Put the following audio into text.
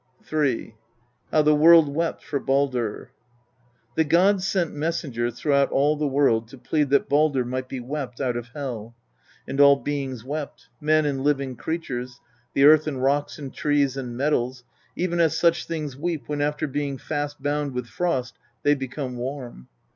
III. How THE WORLD WEPT FOR BALDR. The gods sent messengers throughout all the world to plead that Baldr might be wept out of Hel. And all beings wept ; men and living creatures, the e:irth and rocks and trees and metals even as such things weep when after being fast bound with frost they become warm.